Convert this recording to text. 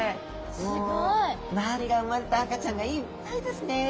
すごい！周りが産まれた赤ちゃんがいっぱいですね。